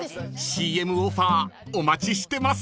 ［ＣＭオファーお待ちしてます］